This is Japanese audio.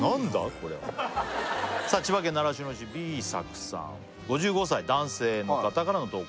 これさあ千葉県習志野市Ｂｅ作さん５５歳男性の方からの投稿